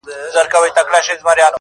• چي په رنځ یې دردمن یو -